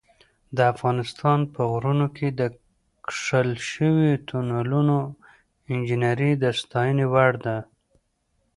د افغانستان په غرونو کې د کښل شویو تونلونو انجینري د ستاینې وړ ده.